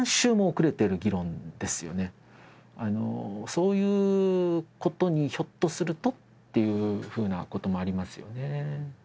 そういうことにひょっとするとということもありますよね。